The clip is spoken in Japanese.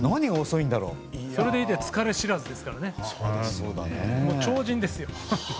それでいて疲れ知らずですからね超人ですよ。